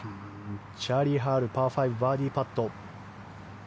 チャーリー・ハル６番、バーディーパット。